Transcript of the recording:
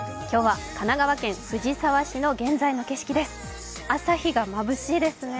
今日は神奈川県藤沢市の現在の景色です。